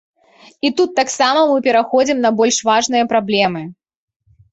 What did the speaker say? І тут таксама мы пераходзім на больш важныя праблемы.